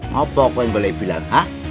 mau tau aku yang boleh bilang ha